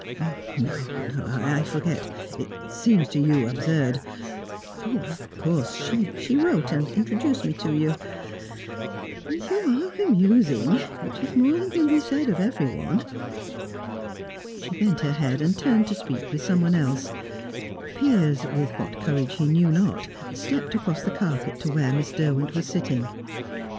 "No I forget it seems to you absurd. Of course she wrote and introduced me to you " "You are amusing which is more than can be said of everyone." She bent her head and turned to speak with someone else. Piers, with what courage he knew not, stepped across the carpet to where Miss Derwent was sitting.